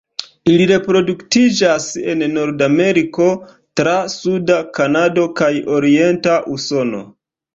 Ili reproduktiĝas en Nordameriko, tra suda Kanado kaj orienta Usono.